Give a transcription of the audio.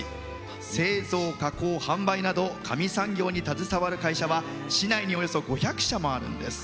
製造、加工、販売など紙産業に携わる会社は市内におよそ５００社もあるんです。